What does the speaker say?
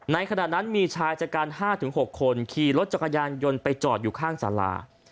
ขณะนั้นมีชายจัดการ๕๖คนขี่รถจักรยานยนต์ไปจอดอยู่ข้างสารา